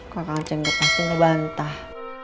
kang aceng gak pasti ngebantah